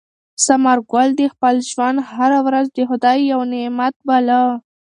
ثمر ګل د خپل ژوند هره ورځ د خدای یو نعمت باله.